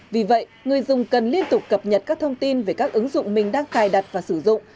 vì vậy người dùng cần liên tục cập nhật các thông tin về các ứng dụng mình đang cài đặt và sử dụng